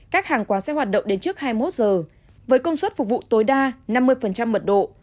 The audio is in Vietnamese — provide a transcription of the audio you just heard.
các hàng quán sẽ hoạt động đến trước hai mươi một giờ với công suất phục vụ tối đa năm mươi mật độ